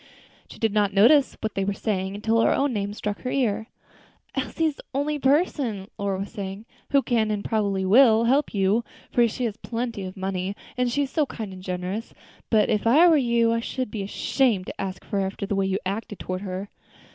She did not notice what they were saying, until her own name struck her ear. "Elsie is the only person," Lora was saying, "who can, and probably will, help you; for she has plenty of money, and she is so kind and generous; but, if I were you, I should be ashamed to ask her, after the way you acted toward her."